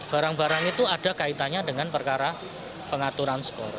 barang barang itu ada kaitannya dengan perkara pengaturan skor